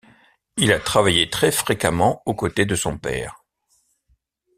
Il a travaillé très fréquemment aux côtés de son père.